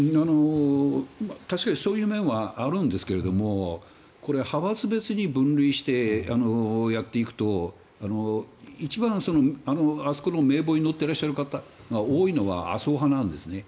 確かにそういう面はあるんですが派閥別に分類してやっていくと一番あそこの名簿に載っていらっしゃる方が多いのは麻生派なんですね。